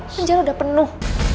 penjara udah penuh